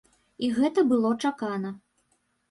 І гэта было чакана.